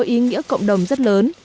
ý nghĩa cộng đồng rất lớn